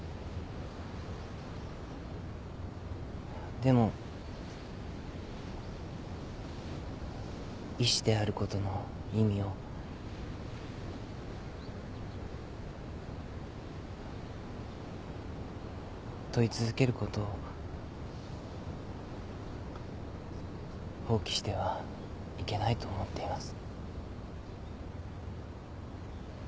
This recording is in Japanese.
でも医師であることの意味を問い続けることを放棄してはいけないと思っています。